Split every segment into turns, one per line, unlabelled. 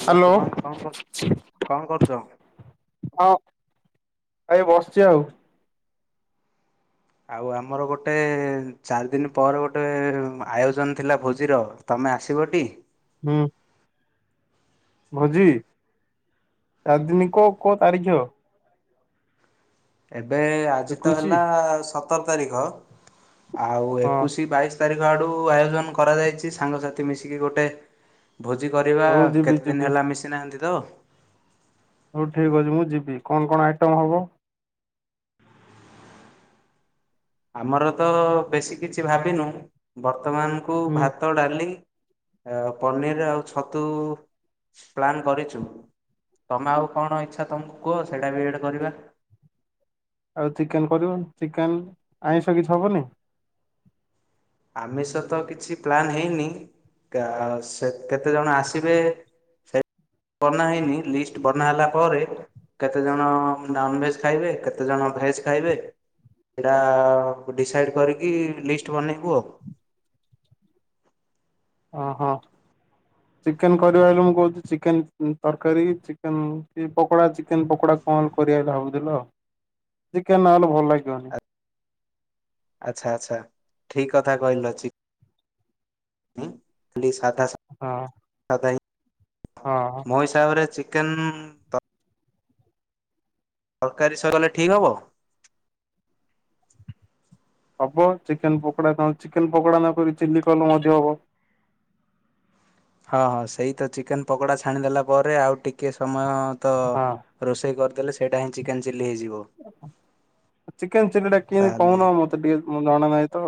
Hello
hello
Shubham କଣ କର କଣ କରୁଛ?
ହଁ ଏଇ ବସିଛି ଆଉ
ଆଉ ଆମର ଗୋଟେ ଚାରି ଦିନ ପରେ ଗୋଟେ ଆୟୋଜନ ଥିଲା ଭୋଜିର। ତମେ ଆସିବଟି?
ହୁଁ। ଭୋଜି ଚାରି ଦିନ କ କୋଉ ତାରିଖ ହେବ?
ଏବେ ଆଜି ତ
ଏକୋଇଶି
ହେଲା ସତର ତାରିଖ ଆଉ
ହଁ
ଏକୋଇଶି ବାଇଶି ତାରିଖ ଆଡୁ ଆୟୋଜନ କରାଯାଇଛି ସାଙ୍ଗସାଥି ମିଶିକି ଗୋଟେ ଭୋଜି କରିବା
ହଉ ଯିବି
କେତେଦିନ
ଯିବି
ହେଲା ମିଶିନାହାନ୍ତି ତ
ହଉ ଠିକ୍ ଅଛି ମୁଁ ଯିବି କଣ କଣ ଆଇଟମ୍ ହବ?
ଆମର ତ ବେଶୀ କିଛି ଭାବିନୁ ବର୍ତ୍ତମାନ କୁ
ହୁଁ
ଭା ଭାତ ଡାଲି ପନିର ଆଉ ଛତୁ ପ୍ଲାନ୍ କରିଛୁ। ତମେ ଆଉ କଣ ଇଚ୍ଛା ତମକୁ କୁହ ସେଇଟା ବି ଏଡ୍ କରିବା?
ଆଉ ଚିକେନ କରିବନି ଚିକେନ ଆଇଁଷ କିଛି ହବନି।
ଆମିଷତ କିଛି ପ୍ଲାନ୍ ହେଇନି ସେ କେତେ ଜଣ ଆସିବେ?
ହ
ବନାହେଇନି ଲିଷ୍ଟ ବନାହେଲା ପରେ କେତେଜଣ ନନଭେଜ ଖାଇବେ କେତେଜଣ ଭେଜ ଖାଇବେ ସେଇଟା ଡିସାଇଡ୍ କରିକି ଲିଷ୍ଟ ବନେଇବୁ ଆଉ
ଅ ହ। ଚିକେନ କରିବା ବୋଲି ମୁଁ କହୁଛି ଚିକେନ ତରକାରୀ ଚିକେନ କି ପକୋଡ଼ା ଚିକେନ ପକୋଡ଼ା କଣ କରିବା ବୋଲି ଭାବୁଥିଲ ଚିକେନ ନହେଲେ ଭଲ ଲାଗିବନି।
ଆଚ୍ଛା ଆଚ୍ଛା ଠିକ କଥା କହିଲ ଚି କହିଲି ସାଧା ସା
ହଁ।
ସାଧା
ହଁ
ମୋ ହିସାବରେ ଚିକେନ ତରକାରୀ ସହକଲେ ଠିକ୍ ହେବ?
ହବ ଚିକେନ ପକୋଡା ତମେ ଚିକେନ ପକୋଡା ନକରି ଚିଲି କଲେ ମଧ୍ୟ ହବ।
ହଁ ହଁ ସେଇତ ଚିକେନ ପକୋଡ଼ା ଛାଣିଦେଲା ପରେ ଆଉ ଟିକେ ସମୟ ତ
ହଁ
ରୋଷେଇ କରିଦେଲେ ସେଇଟା ହିଁ ଚିକେନ୍ ଚିଲି ହେଇଯିବ।
ଚିକେନ ଚିଲିଟା କଣ
ତାହେଲେ
କେନ୍ତୀ ମତେ ଟିକେ ଜଣା ନାହିଁ ତ?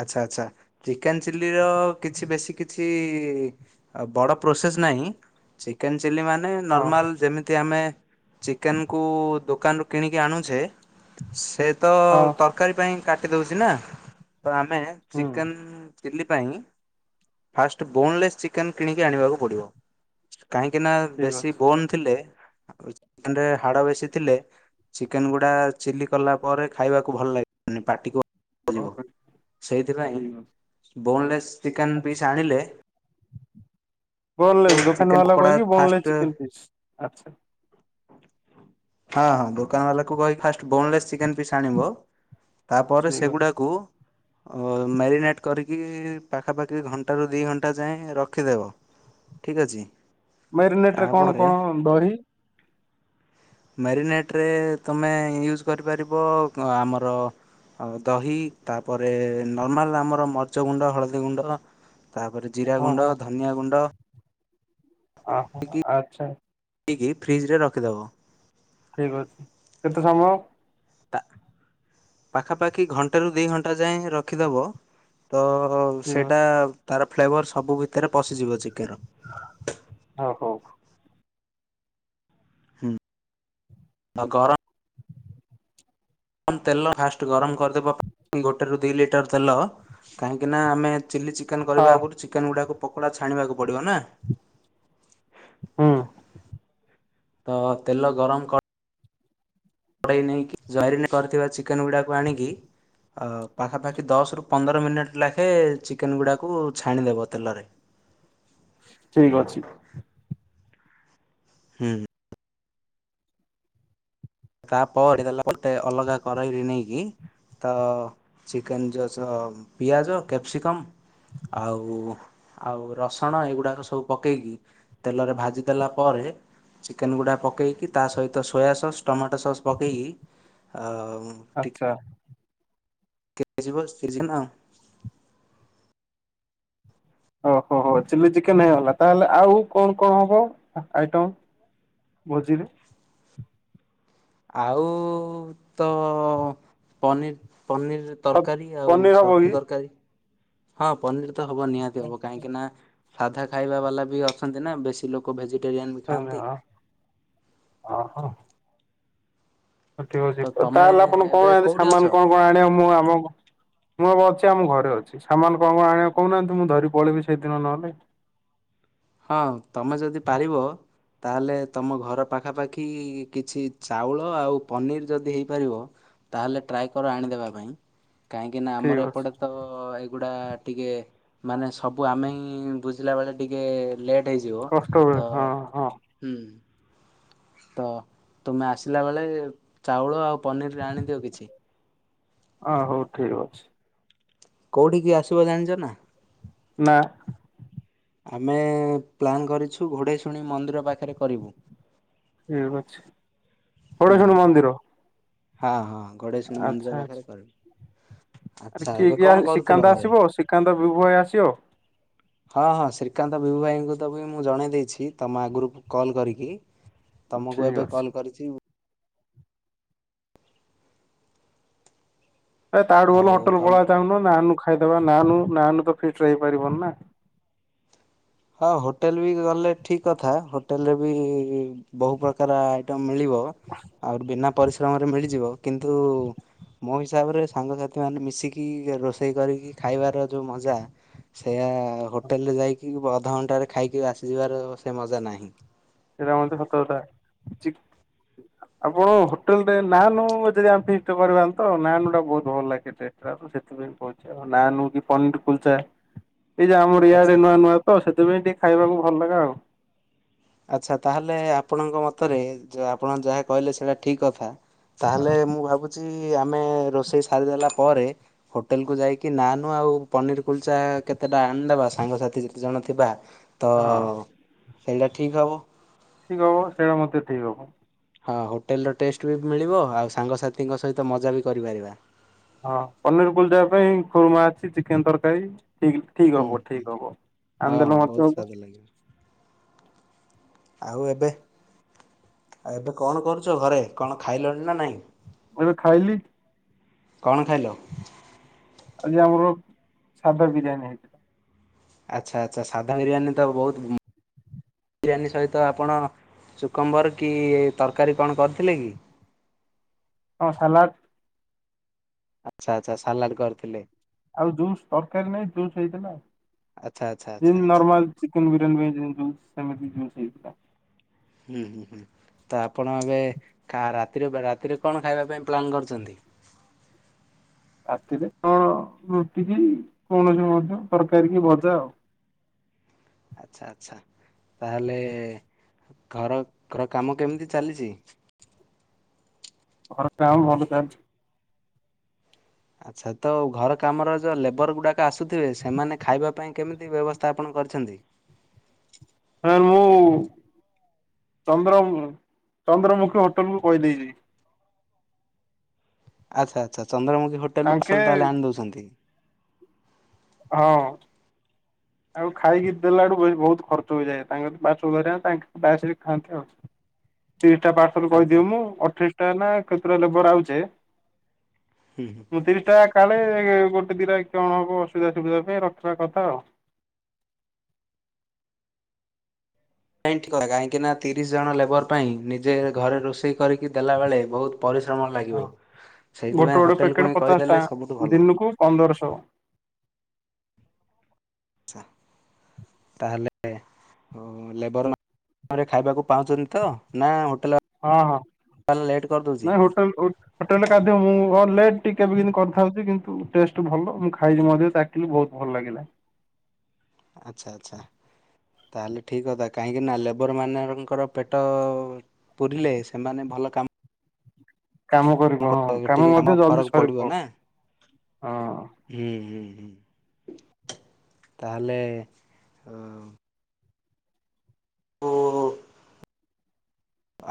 ଆଚ୍ଛା ଆଚ୍ଛା ଚିକେନ ଚିଲ୍ଲିର କିଛି ବେଶୀ କି କିଛି ବଡ଼ ପ୍ରୋସେସ ନାହିଁ। ଚିକେନ ଚିଲି ମାନେ
ହଁ
ନର୍ମାଲ ଯେମିତି ଆମେ ଚିକେନକୁ ଦୋକାନରୁ କିଣିକି ଆଣୁଛେ ସେତ
ହଁ
ତ ତରକାରୀ ପାଇଁ କାଟିଦଉଛି ନା ତ ଆମେ
ହୁଁ
ଚିକେନ ଚିଲ୍ଲି ପାଇଁ ଫାଷ୍ଟ ବୋନଲେସ୍ ଚିକେନ୍ କିଣିକି ଆଣିବାକୁ ପଡ଼ିବ? କାହିଁକି ନା
ଠିକ୍
ବେଶୀ ବୋନ ଥିଲେ ଚିକେନରେ ହାଡବେଶୀ ଥିଲେ। ଚିକେନ ଗୁଡା ଚିଲି କଲା ପରେ ଖାଇବାକୁ ଭଲ ଲାଗିବନି ପାଟିକୁ ଇଏ କରିବ।
ଅଛି
ସେଇଥିପାଇଁ
ଠିକ୍ ଅଛି
ବୋନଲେସ୍ ଚିକେନ୍
ଆଛା
ପିସ୍ ଆଣିଲେ
ବୋନଲେସ ଦୋକାନୀ
ଚିକେନ
ବାଲାକୁ
ପକୋଡା
କହକି
ଫାଷ୍ଟ
ବୋନଲେସ ଚିକେନ ପିସ୍ ଆଛା।
ହଁ ହଁ ଦୋକାନ ବାଲାକୁ କହିକି ଫାଷ୍ଟ ବୋନଲେସ୍ ଚିକେନ୍ ପିସ୍ ଆଣିବ ତାପରେ
ଠିକ୍ ଅଛି
ସେଗୁଡ଼ାକୁ ଓ ମ୍ୟାରିନେଟ୍ କରିକି ପାଖାପାଖି ଘଣ୍ଟାରୁ ଦୁଇ ଘଣ୍ଟା ଯାଏଁ ରଖିଦେବ। ଠିକ୍ ଅଛି।
ମେରିନେଟରେ କଣ
ତାପରେ
କଣ ଦହି
ମ୍ୟାରିନେଟରେ ତୁମେ ୟୁଜ୍ କରିପାରିବ ଆମର ଆଉ ଦହି ତାପରେ ନର୍ମାଲ ଆମର ମର୍ଚ ଗୁଣ୍ଡ, ହଳଦୀ ଗୁଣ୍ଡ ତାପରେ ଜିରା
ହଁ ହଁ
ଗୁଣ୍ଡ ଧ ନିଆ ଗୁଣ୍ଡ
ଓହୋ ଆଚ୍ଛା।
ତିକି ଫ୍ରିଜ ରେ ରଖିଦବ।
ଠିକ ଅଛି କେତେ ସମୟ?
ତା ପାଖାପାଖି ଘଣ୍ଟେରୁ ଦୁଇ ଘଣ୍ଟା ଯାଏଁ ରଖିଦବ ତ
ଠିକ୍
ସେଇଟା
ଅଛି
ତାର ଫ୍ଲେଭର ସବୁ ଭିତରେ ପଶିଯିବ ଚିକେନର।
ଓହୋ।
ଆଉ ଗରମ ରମ ତେଲ ଫାଷ୍ଟ ଗରମ କରିଦେବ ଗୋଟେ ରୁ ଦି ଲିଟର ତେଲ କାହିଁକିନା ଆମେ ଚିଲ୍ଲି ଚିକେନ
ହଁ
କରିବା ଆଗରୁ ଚିକେନ୍ ଗୁଡ଼ାକୁ ପକୋଡ଼ା ଛାଣିବାକୁ ପଡ଼ିବ ନା।
ହଁ।
ତ ତେଲ ଗରମ କ କଡ଼େଇ ନେଇକି ଜରିନେ କରିଥିବା ଚିକେନ ଗୁଡାକୁ ଆଣିକି ଆଉ ପାଖାପାଖି ଦଶରୁ ପନ୍ଦର ମିନିଟ୍ ଲେଖାଏଁ ଚିକେନ୍ ଗୁଡ଼ାକୁ ଛାଣିଦେବ ତେଲରେ।
ଠିକ ଅଛି।
ହମ୍। ତା ପରେ ତେଲ ପଟେ ଅଲଗା କରେଇରେ ନେଇକି ତ ଚିକେନ ଜୁସ ପିଆଜ, କ୍ୟାପ୍ସିକମ୍ ଆଉ ଆଉ ରସୁଣ ଏଗୁଡ଼ାକ ସବୁ ପକେଇକି ତେଲରେ ଭାଜି ଦେଲା ପରେ ଚିକେନ ଗୁଡା ପକେଇକି ତା ସହିତ ସୋୟା ସସ୍ ଟମାଟୋ ସସ୍ ପକେଇକି ଆଉ
କା
[unintelligible]
ଓହୋ ହୋ ଚିଲି ଚିକେନ ହେଇଗଲା ତାହେଲେ ଆଉ କଣ କଣ ହବ ଆଇଟମ? ଭୋଜିରେ।
ଆଉ ତ ପନିର୍ ପନିର୍। ତରକାରୀ ଆଉ
ପନିର ହବ କି
ଛତୁ ତରକାରୀ ହଁ ପନିର ତ ହବ ନିହାତି ହବ କାହିଁକି ନା ସାଧା ଖାଇବା ବାଲା ବି ଅଛନ୍ତି ନା ବେଶୀ ଲୋକ ଭେଜିଟେରିଆନ୍ ବି ଖାଆନ୍ତି।
ଓହୋ। ହଉ ଠିକ୍
ତ
ଅଛି ତା
ତମେ
ହେଲେ ଆପଣ କଣ
ଏବେ
ଆଣି
କୋଉଠି
ସାମାନ
ଅଛ?
କଣ କଣ ଆଣିବ ମୁଁ ଆମ ମୁଁ ଅଛି ଆମ ଘରେ ଅଛି ସାମାନ କଣ କଣ ଆଣିବ କହୁନାହାନ୍ତି ମୁଁ ଧରି ପଳେଇବି ସେଇଦିନ ନହେଲେ।
ହଁ ତମେ ଯଦି ପାରିବ ତା ହେଲେ ତମ ଘର ପାଖାପାଖି କିଛି ଚାଉଳ ଆଉ ପନିର ଯଦି ହେଇପାରିବ ତାହେଲେ ଟ୍ରାଏ କର ଆଣିଦେବା ପାଇଁ କାହିଁକି ନା
ଠିକ
ଆମର
ଅଛି
ଏପଟେ ତ ଏଇଗୁଡ଼ା ଟିକେ ମାନେ ସବୁ ଆମେ ହିଁ ବୁଝିଲା ବେଳେ ଟିକେ ଲେଟ୍। ଟ୍ ହେଇଯିବ
କଷ୍ଟ ହୁଏ
ତ
ହଁ ହଁ
ହୁଁ। ତ ତୁମେ ଆସିଲା ବେଳେ ଚାଉଳ ଆଉ ପନିର ଆଣିଦିଅ କିଛି।
ଅଁ ହଉ ଠିକ ଅଛି।
କୋଉଠିକି ଆସିବ ଜାଣିଛ ନା?
ନା।
ଆମେ ପ୍ଲାନ୍ କରିଛୁ ଘୋଡ଼େଇ ଶୁଣି ମନ୍ଦିର ପାଖରେ କରିବୁ।
ଠିକ ଅଛି।
ହୁଁ
ଷୋଡେଶ୍ଵରୀ
ହୁଁ
ମନ୍ଦିର
ହଁ ହଁ ଘୋଡ଼େଇ ଶୁଣି
ଆଚ୍ଛା
ମନ୍ଦିର
ଆଚ୍ଛା।
ପାଖରେ କରିବି।
ଆରେ କିଏ କିଏ ଆସି ଶ୍ରୀକାନ୍ତ
ଘରେ?
ଆସିବ ଶ୍ରୀକାନ୍ତ ବିବୁ ଭାଇ ଆସିବ?
ହଁ ହଁ ଶ୍ରୀକାନ୍ତ ବିଭୁ ଭାଇଙ୍କୁ ତ ବି ମୁଁ ଜଣେଇ ଦେଇଛି ତମ ଆଗରୁ କଲ୍ କରିକି। ତମକୁ
ଠିକ
ଏବେ
ଅଛି।
କଲ୍ କରିଛି।
ଏ ତାଠୁ ଭଲ
ଆଉ
ହୋଟେଲ
ତମ
ପଳା ଚାଲୁନୁ ନାନ୍ ଖାଇଦବା ନାନୁ ନାନ୍ ରେ ତ ଫିଷ୍ଟ୍ ହେଇପାରିବନି ନା।
ହଁ ହୋଟେଲ୍ ବି ଗଲେ ଠିକ୍ କଥା ହୋଟେଲ୍ ରେ ବି ବହୁ ପ୍ରକାର ଆ ତ ମିଳିବ ଆହୁରି ବିନା ପରିଶ୍ରମରେ ମିଳିଯିବ କିନ୍ତୁ ମୋ ହିସାବରେ ସାଙ୍ଗସାଥି ମାନେ ମିଶିକି ରୋଷେଇ କରିକି ଖାଇବାର ଯଉ ମଜା ସେୟା ହୋଟେଲ୍ ରେ ଯାଇକି ବ ଅଧଘଣ୍ଟାରେ ଖାଇକି ଆସିଯିବାର ସେ ମଜା ନାହିଁ।
ସେଇଟା ମଧ୍ୟ ସତକତା ଚି ଆପଣ ହୋଟେଲ୍ ରେ ନାନୋ ଯଦି [unintelligible] କରିବା ନି ତ ନାନୋ ଟା ବହୁତ୍ ଭଲ ଲାଗେ ଟେଷ୍ଟ ଟା ତ ସେଥିପାଇଁ କହୁଛି। ନା ନୁ କି ପନିର୍ ପୁଲଚା। ଏଇ ଯେ ଆମର
ଆଚ୍ଛା
ଇଆଡେ ନୂଆ ନୂଆଁ ତ ସେଥିପାଇଁ ଟିକେ ଖାଇବାକୁ ଭଲ ଲଗେ ଆଉ।
ଆଚ୍ଛା ତାହେଲେ ଆପଣଙ୍କ ମତରେ ଯେ ଆପଣ ଯାହା କହିଲେ ସେଇଡା ଠିକ୍ କଥା। ତାହେଲେ ମୁଁ ଭାବୁଚି ଆମେ ରୋଷେଇ ସାରିଦେଲା ପରେ ହୋଟେଲ୍ କୁ ଯାଇକି ନା ନୁ ଆଉ ପନିର କୁଲଚା କେତେଟା ଆଣିଦବା ସାଙ୍ଗସାଥି ଯେତେଜଣ ଥିବା। ତ
ହଁ
ସେଇଟା ଠିକ୍ ହବ‌।
ଠିକ୍ ହବ ସେଇଟା ମଧ୍ୟ ଠିକ୍ ହବ।
ହଁ ହୋଟେଲ୍ ର ଟେଷ୍ଟ ବି ମିଳିବ ଆଉ ସାଙ୍ଗସାଥିଙ୍କ ସହିତ ମଜା ବି କରିପାରିବା।
ହଁ ପନିର ପୁଲଚା ପାଇଁ ଖୁରୁମା ଅଛି ଚିକେନ ତରକାରୀ ଠିକ୍। ଠିକ୍
ହୁଁ
ହବ
ହୁଁ
ଠିକ୍ ହବ
ହଁ
ଆଣିଦେଲ ମତେ
ବହୁତ
ଗୋଟେ।
ସ୍ଵାଦ ଲାଗିବ। ଆଉ ଏବେ ଆଉ ଏବେ କଣ କରୁଚ ଘରେ କଣ ଖାଇଲଣି ନାଁ ନାଇଁ।
ମୁଁ ଏବେ ଖାଇଲି।
କଣ ଖାଇଲ?
ଆଜି ଆମର ସାଧା ବିରିୟାନୀ ହେଇଥି
ଆଚ୍ଛା ଆଚ୍ଛା ସାଧା ବିରିୟାନୀ ତ ବହୁତ୍ ଉଁ ବିରିୟାନୀ ସହିତ ଆପଣ ଚୁକୁମ୍ବର କି ତରକାରୀ କଣ କରିଥିଲେ କି?
ହଁ ସାଲାଟ୍
ଆଚ୍ଛା ଆଚ୍ଛା ସାଲାଟ୍ କରିଥିଲେ।
ଆଉ ଜୁସ୍ ତରକାରୀ ନାଇଁ ଜୁସ୍ ହେଇଥିଲା
ଆଚ୍ଛା ଆଚ୍ଛା ଆଚ୍ଛା
ଯେମିତି
ଆଚ୍ଛା
ନର୍ମାଲ ଚିକେନ ବିରିୟାନୀ ପାଇଁ ସେମିତି ଜୁସ୍ ସେମିତି ଜୁସ୍ ହେଇଥିଲା।
ହୁଁ ହୁଁ ହୁଁ ତ ଆପଣ ଏବେ କା ରାତିରେ ବ ରାତିରେ କଣ ଖାଇବା ପାଇଁ ପ୍ଲାନ୍ କରୁଚନ୍ତି?
ରାତିରେ କଣ ରୁଟି କିି କୌଣସି ମଧ୍ୟ ତରକାରୀ କି ଭଜା ଆଉ।
ଆଚ୍ଛା ଆଚ୍ଛା ତାହେଲେ ଘର ଘର କାମ କେମିତି ଚାଲିଛି?
ଘର କାମ ଭଲ ଚାଲିଛି।
ଆଚ୍ଛା ତ ଘର କାମର ଯ ଲେବର ଗୁଡ଼ାକ ଆସୁଥିବେ ସେମାନେ ଖାଇବା ପାଇଁ କେମିତି ବ୍ୟବସ୍ଥା ଆପଣ କରିଛନ୍ତି?
ହଁ ମୁଁ ଚନ୍ଦ୍ର ମୁଁ ଚନ୍ଦ୍ରମୁଖୀ ହୋଟେଲ୍ କୁୁ କହିଦେଇଛି।
ଆଚ୍ଛା ଆଚ୍ଛା ଆଚ୍ଛା ଚନ୍ଦମୁଖୀ ହୋଟେଲ୍ ରୁ
ତାଙ୍କେ
ପାର୍ସେଲ ତାହେଲେ ଆଣି ଦଉଛନ୍ତି?
ହଁ। ଆଉ ଖାଇକି ଦେଲାଠୁ ବହୁତ୍ ଖର୍ଚ୍ଚ ହୋଇଯାଏ ତାଙ୍କ ପାର୍ଶଲ ଧରେ ତାଙ୍କ ତାଙ୍କେ ସେଇଠି ଖାଆନ୍ତି ଆଉ। [inaudible] ତିରିଶ ଟା ପାର୍ସଲ
ଆଚ୍ଛା
କହିଦିଏ ମୁଁ ଅଠେଇଶ ଟା ନାଁ କେତେଟା ଲେବର ଆଉଚେ
ହୁଁ ହୁଁ।
ମୁଁ ତିରିଶ ଟା କାଳେ ଇଏ ଗୋଟେ ଦିନ କିଅଣ ହବ ଅସୁବିଧା ସୁବିଧା ପାଇଁ ରଖିବା କଥା ଆଉ।
ନାଇଁ ଠିକ୍ କଥା କାହିଁକି ନା ତିରିଶ ଜଣ ଲେବର ପାଇଁ ନିଜେ ଘରେ ରୋଷେଇ କରିକି ଦେଲାବେଳେ ବହୁତ୍ ପରିଶ୍ରମ ଲାଗିବ
ଗୋଟେ
ସେଇଥିପାଇଁ ହୋଟେଲକୁ ହିଁ କହିଦେଲେ ସବୁଠୁ ଭଲ।
ପନ୍ଦରଶ।
ଆଚ୍ଛା ତାହେଲେ ହଁ ଲେବର ଖାଇବାକୁ ପାଉଛନ୍ତି ତ ନାଁ ହୋଟେଲ୍
ହଁ ହଁ ନାଇଁ ହୋଟେଲ୍ ହୋ ହୋଟେଲ୍ ରେ କାଦ୍ୟ ମୁଁ ଅ ଲେଟ୍ ଟିକେ ବି କିନ୍ତି କରିଥାଉଛି କିନ୍ତୁ ଟେଷ୍ଟ ଭଲ ମୁଁ ଖାଇଛି ମଧ୍ୟ ଚା କିନ୍ତୁ ବହୁତ୍ ଭଲ ଲାଗିଲା।
ଆଚ୍ଛା ଆଚ୍ଛା। ତାହେଲେ ଠିକ୍ କଥା କାହିଁକି ନା ଲେବର ମାନଙ୍କର ପେଟ ପୁରିଲେ ସେମାନେ ଭଲ କାମ
କାମ କରିବେ ହଁ କାମ
ଟିକେ
ମଧ୍ୟ ଜଲଦି
ଫରକ ପଡ଼ିବ
ସରିବ
ନା
ହଁ।
ହୁଁ, ହୁଁ, ହୁଁ, ତାହଲେ ଅଁ,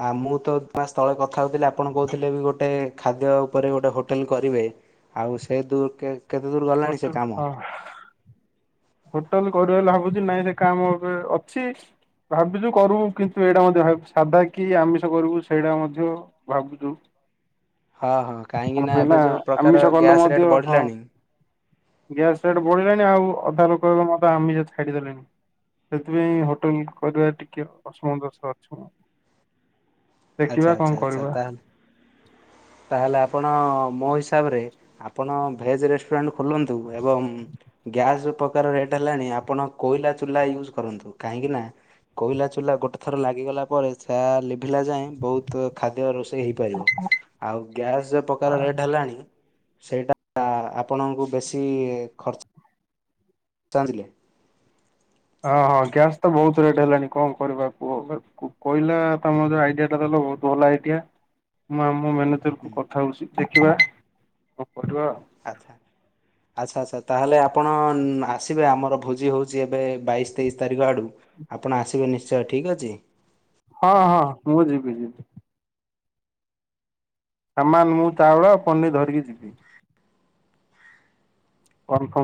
ଆ, ମୁଁ [inaudible] ମାସ ତଳେ କଥା ହଉଥିଲି ଆପଣ କହୁଥିଲେ ବି ଗୋଟେ ଖାଦ୍ୟ ଉପରେ ଗୋଟେ ହୋଟେଲ୍ କରିବେ। ଆଉ ସେ ଦୂ-କେ- କେତେ ଦୂର ଗଲାଣି ସେ କାମ?
ହୋଟେଲ୍ କରିବା ଲା-ଭାବୁଚି ନାଇଁ ସେ କାମ ଉପରେ ଅଛି। ଭାବିଚୁ କରିବୁ କିନ୍ତୁ ଏଇଟା ମଧ୍ୟ ଭାବ ସାଧା କି ଆମିଷ କରିବୁ ସେଇଟା ମଧ୍ୟ ଭାବୁଚୁ।
ହଁ ହଁ କାହିଁକି
କଣ ପାଇଁ
ଏବେ
ନା
ଯୋଉ ପ୍ରକାର
ଆମିଷ କଲେ
ଗ୍ୟାସ୍ ରେଟ୍
ମଧ୍ୟ ହଁ
ବଢ଼ିଲାଣି
ଗ୍ୟାସ ରେଟ୍ ବଢିଲାଣି ଆଉ ଅଧା ଲୋକ ଏବଂ ଅଧା ଆମିଷ ଛାଡିଦେଲେଣି। ସେଥିପାଇଁ ହୋଟେଲ୍ କରିବା ଟିକେ ଅସମତୋଷ ଅଛି ମୁଁ।
ଆଚ୍ଛା
ଦେଖିବା
ଆଚ୍ଛା
କଣ
ଆଚ୍ଛା
କରିବା।
ତାହେଲେ ତାହେଲେ ଆପଣ ମୋ ହିସାବରେ ଆପଣ ଭେଜ୍ ରେଷ୍ଟୁରାଣ୍ଟ ଖୋଲନ୍ତୁ, ଏବଂ ଗ୍ୟାସ୍ ଯୋଉ ପ୍ରକାର ରେଟ୍ ହେଲାଣି ଆପଣ କୋଇଲା ଚୁଲା ୟୁଜ୍ କରନ୍ତୁ। କାହିଁକି ନା କୋଇଲା ଚୁଲା ଗୋଟେ ଥର ଲାଗିଗଲା ପରେ ସେ ଲିଭିଲା ଯାଏଁ ବହୁତ ଖାଦ୍ୟ ରୋଷ ତ ହେଇପାରିବ, ଆଉ ଗ୍ୟାସ୍ ଯୋ ପ୍ରକାର ରେଟ୍ ହେଲାଣି ସେଇଟା ଆ, ଆପଣଙ୍କୁ ବେଶୀ ଖର୍ଚ୍ଚ ଚାଞ୍ଜିଲେ।
ଆଁ, ହଁ ଗ୍ୟାସ୍ ତ ବହୁତ ରେଟ୍ ହେଲାଣି କଣ କରିବା କୁହ ବା? କୁ-କୋଇଲା ତୋମେ ଯୋଉ ଆଇଡିଆ ଟା ଦେଲ ବହୁତ ଭଲ ଆଇଟିଆ, ମୁଁ ଆମ ମେନେଜର୍ କୁ କଥା ହଉଚି ଦେଖିବା କଣ କରିବା।
ଆଚ୍ଛା। ଆଚ୍ଛା, ଆଚ୍ଛା, ତାହେଲେ ଆପଣ ଉଁ, ଆସିବେ ଆମର ଭୋଜି ହଉଛି ଏବେ ବାଇଶ ତେଇଶ ତାରିଖ ଆଡ଼କୁ। ଆପଣ ଆସିବେ ନିଶ୍ଚୟ ଠିକ୍ ଅଛି?
ହଁ, ହଁ ମୁଁ ଯିବି, ଯିବି। ସାମାନ୍ ମୁଁ ଚାଉଳ ପନିର୍ ଧରିକି ଯିବି। କନଫର୍ମ।